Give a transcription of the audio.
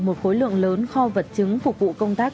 một khối lượng lớn kho vật chứng phục vụ công tác